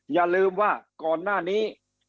อย่าลืมว่าก่อนหน้านี้